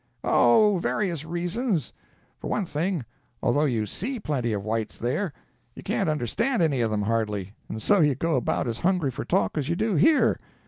"Oh, various reasons. For one thing, although you see plenty of whites there, you can't understand any of them, hardly, and so you go about as hungry for talk as you do here.